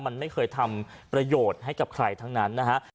มันไม่เคยทำประโยชน์ให้กับใครทั้งนั้นนะฮะ